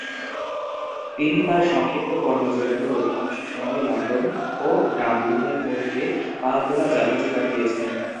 তিনি তার সংক্ষিপ্ত কর্মজীবনের অধিকাংশ সময় লন্ডন ও ডাবলিনের মধ্যে পালতোলা জাহাজে কাটিয়েছেন।